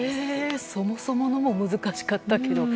そもそものも難しかったけど。